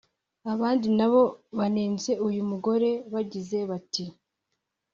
Abandi nabo banenze uyu mugore bagize bati